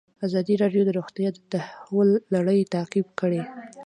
ازادي راډیو د روغتیا د تحول لړۍ تعقیب کړې.